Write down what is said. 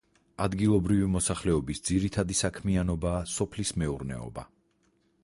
ადგილობრივი მოსახლეობის ძირითადი საქმიანობაა სოფლის მეურნეობა.